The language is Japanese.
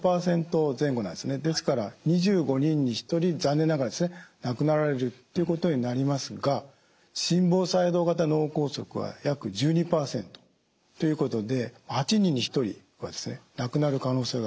ですから２５人に１人残念ながら亡くなられるということになりますが心房細動型脳梗塞は約１２％ということで８人に１人は亡くなる可能性があるということです。